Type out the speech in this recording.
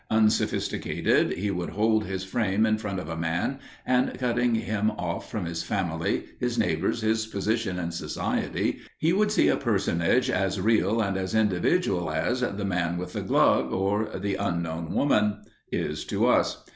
Unsophisticated, he would hold his frame in front of a man, and, cutting him off from his family, his neighbours, his position in Society, he would see a personage as real and as individual as "the Man with the Glove," or "the Unknown Woman" is to us.